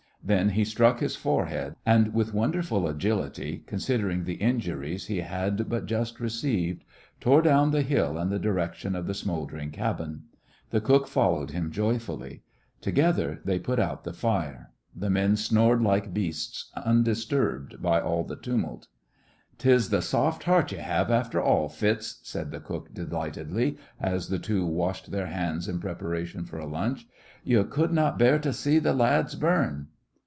Then he struck his forehead, and with wonderful agility, considering the injuries he had but just received, tore down the hill in the direction of the smouldering cabin. The cook followed him joyfully. Together they put out the fire. The men snored like beasts, undisturbed by all the tumult. "'Tis th' soft heart ye have after all, Fitz," said the cook, delightedly, as the two washed their hands in preparation for a lunch. "Ye could not bear t' see th' lads burn."